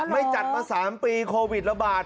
จัดมา๓ปีโควิดระบาด